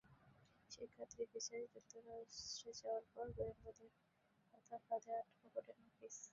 শিক্ষার্থী ভিসায় যুক্তরাষ্ট্রে যাওয়ার পর গোয়েন্দাদের পাতা ফাঁদে আটকা পড়েন নাফিস।